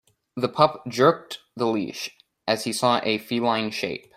The pup jerked the leash as he saw a feline shape.